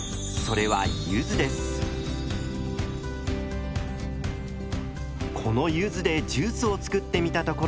このゆずでジュースを作ってみたところ大ヒット。